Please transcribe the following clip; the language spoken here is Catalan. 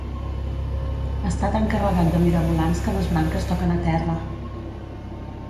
Està tan carregat de mirabolans que les branques toquen a terra